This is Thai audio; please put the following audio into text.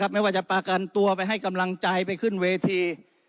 ไม่ว่าจะประกันตัวไปให้กำลังใจไปขึ้นเวที